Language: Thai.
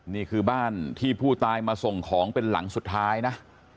นี่คือบ้านที่ผู้ตายมาส่งของเป็นหลังสุดท้ายนะ